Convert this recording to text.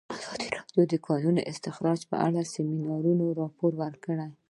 ازادي راډیو د د کانونو استخراج په اړه د سیمینارونو راپورونه ورکړي.